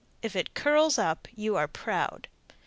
If it curls up, you are proud.